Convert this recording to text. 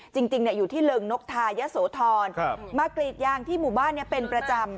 จริงอยู่ที่เริงนกทายะโสธรมากรีดยางที่หมู่บ้านนี้เป็นประจำ